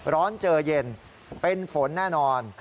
ร้อนเจอเย็นเป็นฝนแน่นอน